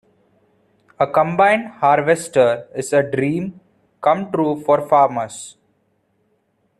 A combine harvester is a dream come true for farmers.